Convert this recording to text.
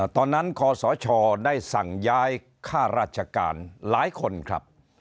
คศได้สั่งย้ายค่าราชการหลายคนครับ